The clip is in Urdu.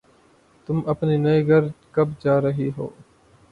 تم اپنے نئے گھر کب جا رہی ہو